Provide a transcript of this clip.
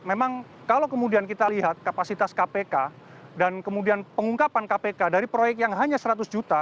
memang kalau kemudian kita lihat kapasitas kpk dan kemudian pengungkapan kpk dari proyek yang hanya seratus juta